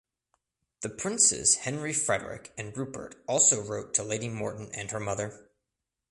The princes Henry Frederick and Rupert also wrote to Lady Morton and her mother.